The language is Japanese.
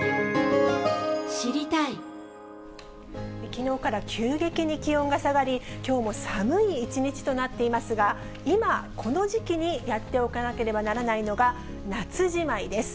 きのうから急激に気温が下がり、きょうも寒い一日となっていますが、今、この時期にやっておかなければならないのが、夏じまいです。